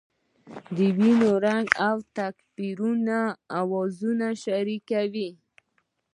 د وینې رنګ او تکبیرونو اوازونه شریک وو.